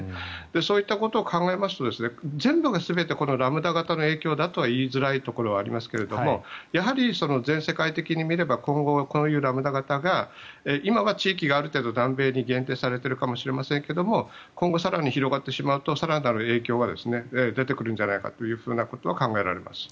そういったことを考えますと全部が、全てこのラムダ型の影響だとは言いづらいところはありますがやはり、全世界的に見れば今後はこういうラムダ型が今は地域がある程度南米に限定されているかもしれませんが今後、更に広がってしまうと更なる影響が出てくるんじゃないかということは考えられます。